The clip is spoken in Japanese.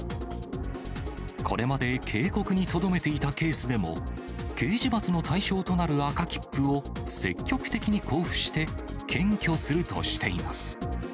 これまで警告にとどめていたケースでも、刑事罰の対象となる赤切符を積極的に交付して、検挙するとしています。